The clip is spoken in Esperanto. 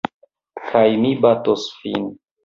Kaj mi batos vin.